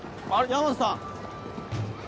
大和さん！